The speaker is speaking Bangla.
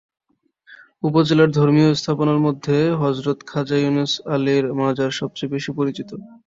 উপজেলার ধর্মীয় স্থাপনার মধ্যে হযরত খাজা ইউনুস আলীর মাজার সবচেয়ে বেশি পরিচিত।